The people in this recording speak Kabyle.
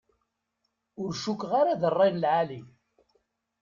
Ur cukkeɣ d rray n lεali.